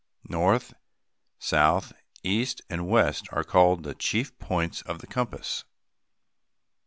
North, south, east, and west are called the chief points of the compass.